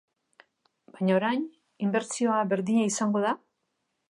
Baina, orain, inbertsioa berdina izango da?